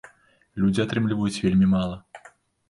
Людзі атрымліваюць вельмі мала.